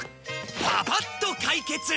パパッと解決。